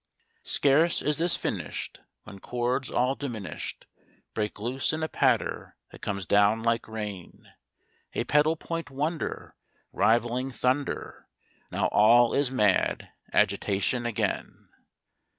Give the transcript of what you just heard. Scarce is this finished When chords all diminished Break loose in a patter that comes down like rain, A pedal point wonder Rivaling thunder. Now all is mad agitation again.